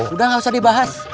udah gak usah dibahas